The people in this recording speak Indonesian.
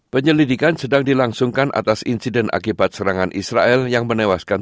penyelidikan sedang dilangsungkan atas insiden akibat serangan israel yang menewaskan turunan